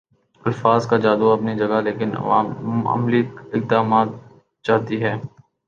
الفاظ کا جادو اپنی جگہ لیکن عوام عملی اقدامات چاہتی ہے